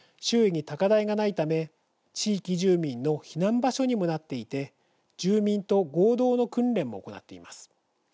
周囲に高台がないため地域住民の避難場所にもなっていて住民と合同の訓練も行っています。